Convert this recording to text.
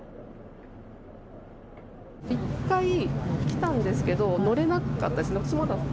一回来たんですけど、乗れなかったですね。